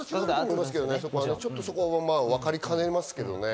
ちょっとそこはわかりかねますけどね。